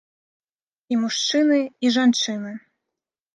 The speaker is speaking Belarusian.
І мужчыны, і жанчыны.